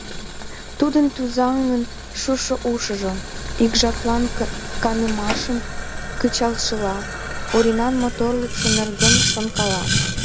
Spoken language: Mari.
Тудын тӱзаҥын шушо ушыжо, ик жаплан канымашым кычалшыла, Оринан моторлыкшо нерген шонкала.